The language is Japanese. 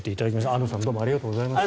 安野さんどうもありがとうございました。